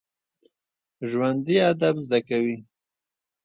ژوندي ادب زده کوي